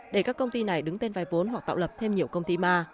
để các công ty này đứng tên vay vốn hoặc tạo lập thêm nhiều công ty ma